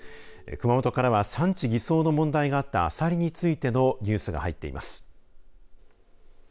熊本からは産地偽装の問題があったアサリについてのニュースが入っています。